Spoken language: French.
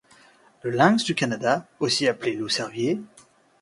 Le lynx du Canada aussi appelé loup-cervier